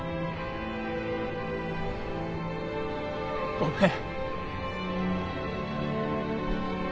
ごめん。